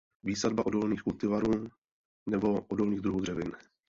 Výsadba odolných kultivarů nebo odolných druhů dřevin.